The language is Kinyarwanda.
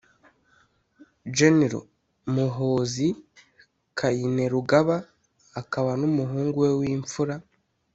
Gen Muhoozi Kainerugaba akaba n’umuhungu we w’imfura